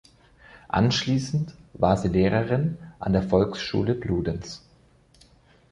Anschließend war sie Lehrerin an der Volksschule Bludenz.